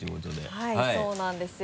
はいそうなんですよ。